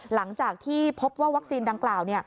หลังจากที่พบว่าวัคซีนดังกล่าว